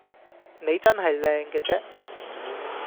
你真係靚嘅啫